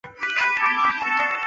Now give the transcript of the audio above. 清初传至民间。